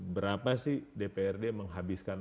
berapa sih dprd menghabiskan